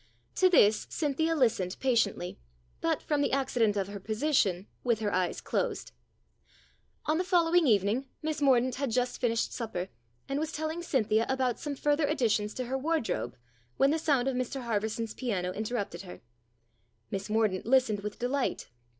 To this Cynthia listened patiently, but, from the accident of her position, with her eyes closed. On the following evening Miss Mordaunt had just finished supper, and was telling Cynthia about some further additions to her wardrobe, when the sound of Mr Harverson's piano interrupted her. Miss Mor daunt listened with delight.